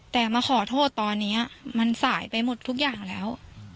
แต่มาขอโทษตอนนี้มันสายไปหมดทุกอย่างแล้ว